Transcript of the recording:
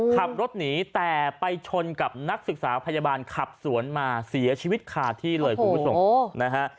ขับรถหนีแต่ไปชนกับนักศึกษาพยาบาลขับสวนมาเสียชีวิตคาที่เลยคุณผู้ชมนะฮะ